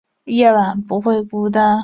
夜晚不会孤单